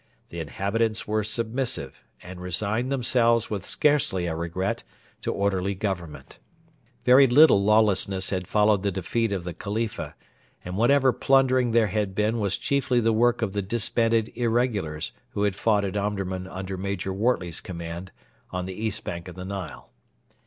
The inhabitants were submissive, and resigned themselves with scarcely a regret to orderly government. Very little lawlessness had followed the defeat of the Khalifa, and whatever plundering there had been was chiefly the work of the disbanded irregulars who had fought at Omdurman under Major Wortley's command on the east bank of the Nile.